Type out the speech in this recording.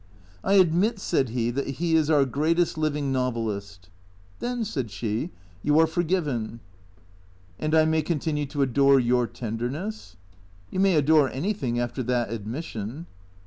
" I admit," said he, " that he is our greatest living novelist." " Then," said she, " you are forgiven." " And I may continue to adore your tenderness? "" You may adore anything — after that admission."